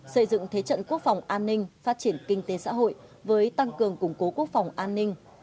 xây dựng thế trận quốc phòng an ninh phát triển kinh tế xã hội với tăng cường củng cố quốc phòng an ninh